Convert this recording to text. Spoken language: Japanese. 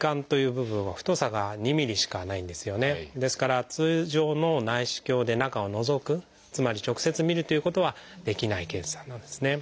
ですから通常の内視鏡で中をのぞくつまり直接みるということはできない検査なんですね。